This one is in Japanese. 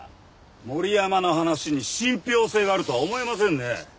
森山の話に信憑性があるとは思えませんね。